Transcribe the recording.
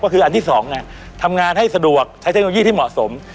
ก็คืออันที่๒ทำงานให้สะดวกใช้เทคโนโลยีที่เหมาะสม